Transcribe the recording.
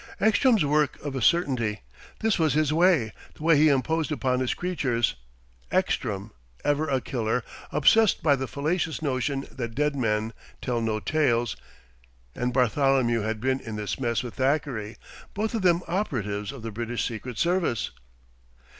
Ekstrom's work, of a certainty! This was his way, the way he imposed upon his creatures. Ekstrom, ever a killer, obsessed by the fallacious notion that dead men tell no tales.... And Bartholomew had been in this mess with Thackeray, both of them operatives of the British Secret Service!